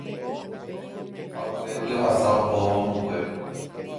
ha upégui ohasa ohóvo ambuépe.